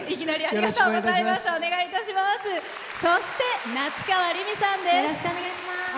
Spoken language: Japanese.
そして、夏川りみさんです。